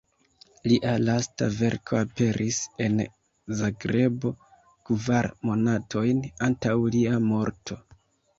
Lia lasta verko aperis en Zagrebo kvar monatojn antaŭ lia morto.